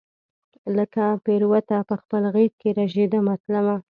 لکه پیروته پخپل غیږ کې ژریدمه تلمه